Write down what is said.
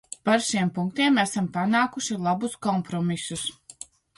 Par šiem punktiem esam panākuši labus kompromisus.